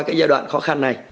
cái giai đoạn khó khăn này